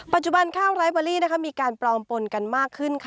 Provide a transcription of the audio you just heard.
ปัจจุบันข้าวไลฟ์เบอร์ลี่มีการปลอมปลนกันมากขึ้น